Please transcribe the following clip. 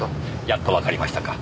やっとわかりましたか。